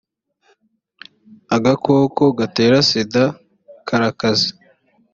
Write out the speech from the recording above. agakoko gatera sida karakaze